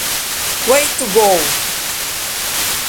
Way to Go!